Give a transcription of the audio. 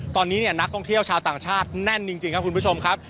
ตอนนี้เนี่ยนักท่องเที่ยวชาวต่างชาติแน่นจริงครับคุณผู้ชมครับ